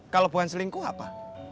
kalau bukan selingkuh apa